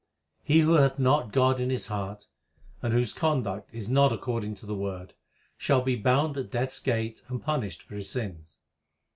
He who hath not God in his heart and whose conduct is not according to the Word, Shall be bound at Death s gate and punished for his sins.